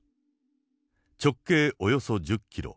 直径およそ１０ｋｍ。